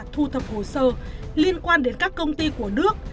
thu thập hồ sơ liên quan đến các công ty của nước